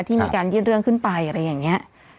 ที่มีการยื่นเรื่องขึ้นไปอะไรอย่างนี้